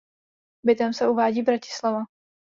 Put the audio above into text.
Bytem se uvádí Bratislava.